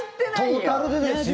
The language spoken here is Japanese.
トータルでですよ？